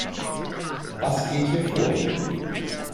Was geht hier vor?